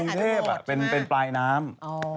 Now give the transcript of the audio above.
กรุงเทพเป็นปลายน้ำ